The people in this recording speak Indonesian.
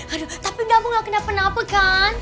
aduh tapi kamu gak kena penapa kan